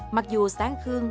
mặc dù sáng khương